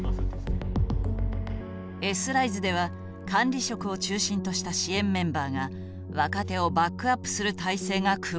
Ｓライズでは管理職を中心とした支援メンバーが若手をバックアップする体制が組まれていた。